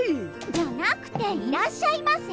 じゃなくていらっしゃいませ！